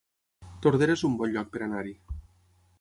Tordera es un bon lloc per anar-hi